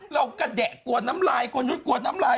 เรากะแดะกวนน้ำลายกวนน้ำลาย